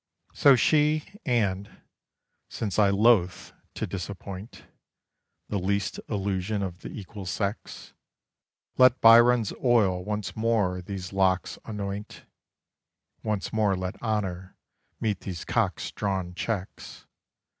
So she; and since I loathe to disappoint The least illusion of the equal sex Let Byron's oil once more these locks anoint, Once more let honour meet these Cox drawn cheques